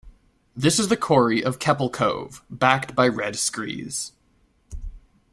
This is the corrie of Kepple Cove, backed by Red Screes.